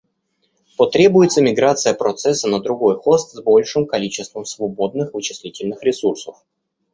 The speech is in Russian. Потребуется миграция процесса на другой хост с большим количеством свободных вычислительных ресурсов